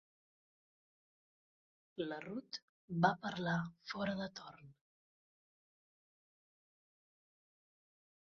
La Ruth va parlar fora de torn.